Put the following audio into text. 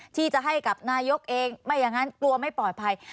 ที่จะให้กับนายกเองไม่อย่างนั้นกลัวไม่ปลอดภัย